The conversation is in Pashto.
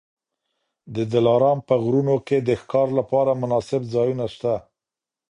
د دلارام په غرونو کي د ښکار لپاره مناسب ځایونه سته.